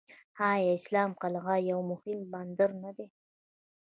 آیا اسلام قلعه یو مهم بندر نه دی؟